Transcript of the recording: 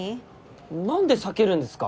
なんで避けるんですか。